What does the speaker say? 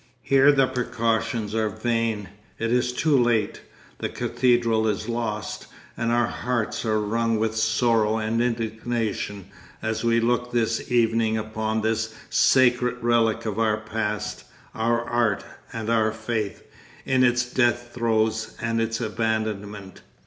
Here the precautions are vain; it is too late, the cathedral is lost, and our hearts are wrung with sorrow and indignation as we look this evening upon this sacred relic of our past, our art, and our faith, in its death throes and its abandonment.